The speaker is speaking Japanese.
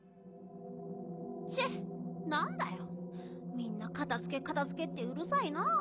みんなかたづけかたづけってうるさいな。